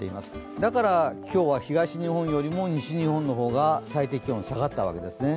だから今日は東日本よりも西日本の方が最低気温下がったわけですね。